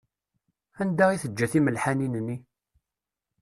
Anda i teǧǧa timelḥanin-nni?